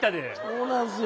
そうなんすよ。